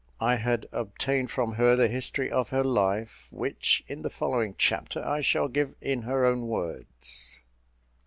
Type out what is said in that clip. I had obtained from her the history of her life, which, in the following chapter, I shall give in her own words.